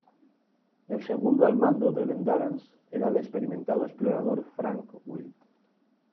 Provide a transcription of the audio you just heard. El segundo al mando del "Endurance" era el experimentado explorador Frank Wild.